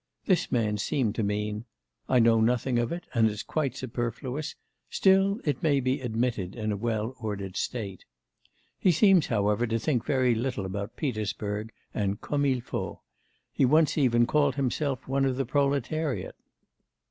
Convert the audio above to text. This man seemed to mean, "I know nothing of it, and it's quite superfluous, still it may be admitted in a well ordered state." He seems, however, to think very little about Petersburg and comme il faut: he once even called himself one of the proletariat.